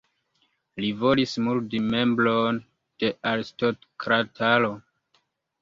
Li volis murdi membron de aristokrataro.